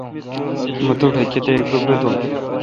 مہ تو ٹھ کتیک روپےدھُوم۔